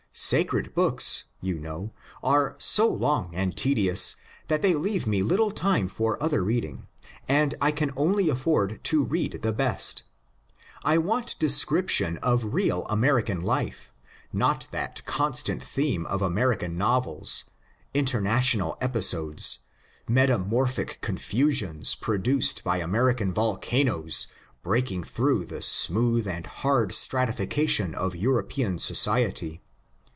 Sacred books, you know, are so long and tedious that they leave me little time for other reading, and I can only afford to read the best. I want description of real American life, not that con stant theme of American novels — international episodes — metamorphic confusions produced by American volcanoes breaking through the smooth and hard stratification of Euro pean society.